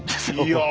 いや！